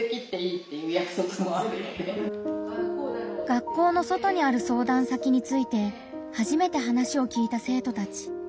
学校の外にある相談先についてはじめて話を聞いた生徒たち。